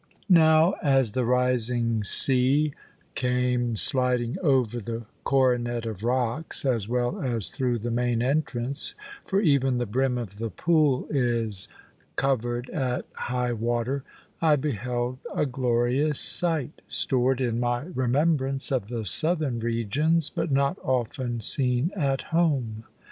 Now, as the rising sea came sliding over the coronet of rocks, as well as through the main entrance for even the brim of the pool is covered at high water I beheld a glorious sight, stored in my remembrance of the southern regions, but not often seen at home.